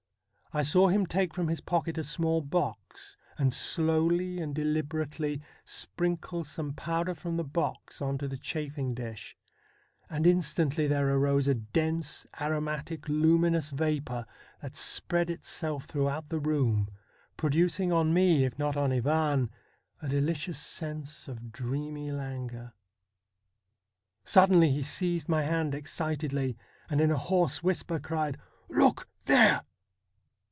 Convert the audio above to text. I saw him take from his pocket a small box, and slowly and deliberately sprinkle some powder from the box on to the chafing dish, and instantly there arose a dense, aromatic, luminous vapour that spread itself throughout the room, producing on me, if not on Ivan, a delicious sense of dreamy languor. Sud denly he seized my hand excitedly, and in a hoarse whisper cried :' Look there